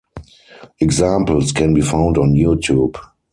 Examples can be found on YouTube.